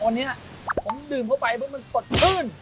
วันนี้ผมดื่มเข้าไปเพราะมันสดชื่น